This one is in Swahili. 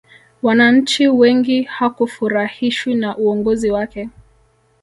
wananchi wengi hakufurahishwi na uongozi wake